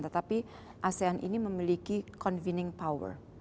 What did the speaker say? tetapi asean ini memiliki convening power